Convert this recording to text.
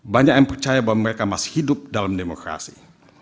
banyak yang percaya bahwa mereka masih hidup dalam demokrasi